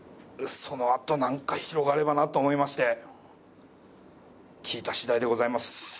そのあとなんか広がればなと思いまして聞いた次第でございます。